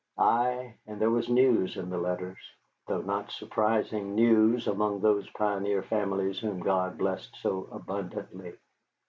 Ay, and there was news in the letters, though not surprising news among those pioneer families whom God blessed so abundantly.